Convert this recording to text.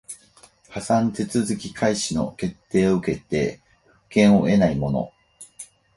破産手続開始の決定を受けて復権を得ない者